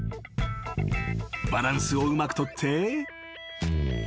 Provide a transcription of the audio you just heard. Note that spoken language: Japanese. ［バランスをうまく取って］